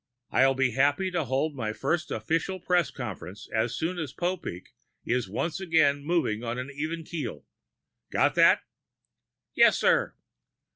I'll be happy to hold my first official press conference as soon as Popeek is once again moving on an even keel. Got that?" "Yes, sir."